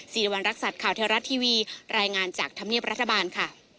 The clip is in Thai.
สิริวัณรักษัตริย์ข่าวเทวรัฐทีวีรายงานจากธรรมเนียบรัฐบาลค่ะ